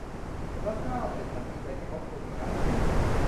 พระเจ้า แต่ฉันดีใจที่พบคุณอีกครั้ง ฟิล